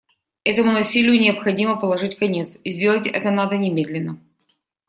Этому насилию необходимо положить конец, и сделать это надо немедленно.